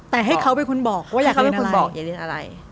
แต่ให้เขาเป็นคนบอกว่าอยากเรียนอะไร